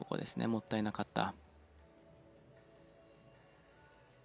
もったいなかった。